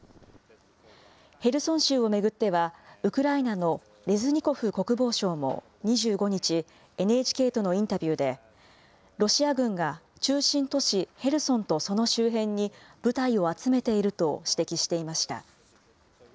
ヘルソン州を巡っては、ウクライナのレズニコフ国防相も、２５日、ＮＨＫとのインタビューで、ロシア軍が中心都市ヘルソンとその周辺に、部隊を集めていると指摘していました。